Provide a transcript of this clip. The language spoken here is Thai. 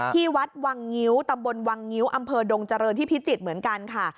ที่วัดวังงิ้วตำบลวังงิ้วอำเภอดงเจริญที่พิจิตรเหมือนกันค่ะ